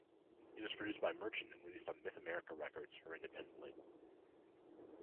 It was produced by Merchant and released on Myth America Records, her independent label.